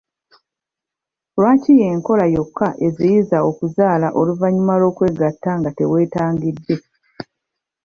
Lwaki y'enkola yokka eziyiza okuzaala oluvannyuma lw'okwegatta nga teweetangidde.